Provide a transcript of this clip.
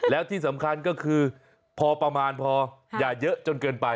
แล้วที่สำคัญก็คือพอประมาณพออย่าเยอะจนเกินไป